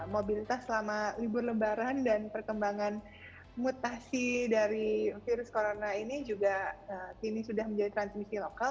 mobilitas selama libur lebaran dan perkembangan mutasi dari virus corona ini juga kini sudah menjadi transmisi lokal